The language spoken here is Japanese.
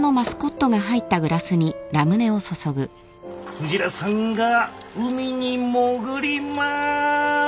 クジラさんが海に潜ります！